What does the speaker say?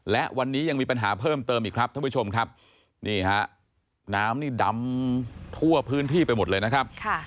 และวันนี้ยังมีปัญหาเพิ่มเติมอีกครับท่านผู้ชมครับนี่ฮะน้ำนี่ดำทั่วพื้นที่ไปหมดเลยนะครับ